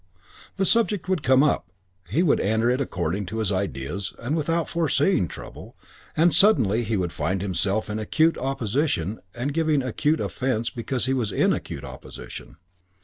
The subject would come up, he would enter it according to his ideas and without foreseeing trouble, and suddenly he would find himself in acute opposition and giving acute offence because he was in acute opposition.